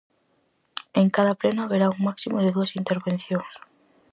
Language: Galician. En cada pleno haberá un máximo de dúas intervencións.